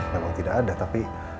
memang tidak ada tapi